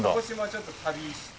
ちょっと旅して。